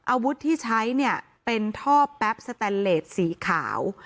อาวุธที่ใช้เนี่ยเป็นท่อแป๊บสแตนเลสสีขาว